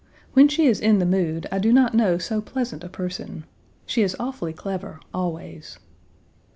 When she is in the mood, I do not know so pleasant a person. She is awfully clever, always.